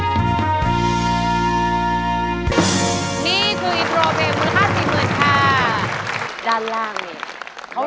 ขอบคุณสุดท่ะ